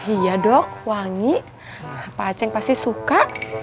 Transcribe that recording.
iya dok wangi pak aceh pasti suka